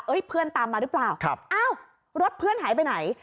เพื่อนตามมาหรือเปล่าอ้าวรถเพื่อนหายไปไหน